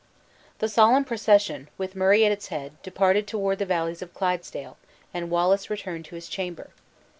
The solemn procession, with Murray at its head, departed toward the valleys of Clydesdale, and Wallace returned to his chamber.